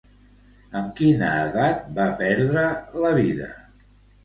Amb quina edat va perdre la vida?